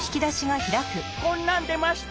こんなんでました。